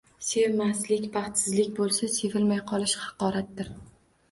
Sevilmaslik baxtsizlik bo‘lsa, sevilmay qolish haqoratdir.